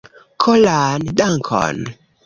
Koran dankon